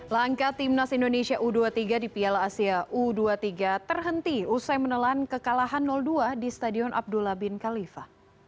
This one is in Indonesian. langkah timnas indonesia u dua puluh tiga di piala asia u dua puluh tiga terhenti usai menelan kekalahan dua di stadion abdullah bin khalifa